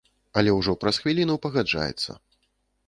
Але ўжо праз хвіліну пагаджаецца.